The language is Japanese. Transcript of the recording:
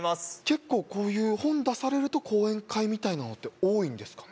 結構こういう本出されると講演会みたいなのって多いんですか？